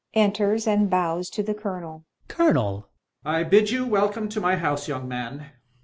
[Enters and bows to the Colonel] Colonel ! Colonel. I bid you welcome to my house, young man.